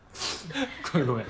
ごめんごめん。